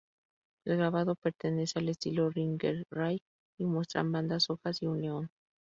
El grabado pertenece al estilo Ringerike, y muestra bandas, hojas y un león.